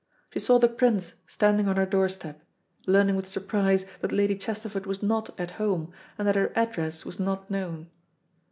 She saw the Prince standing on her doorstep, learning with surprise that Lady Chesterford was not at home, and that her address was not known.